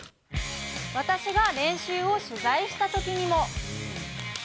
私が練習を取材したときにも。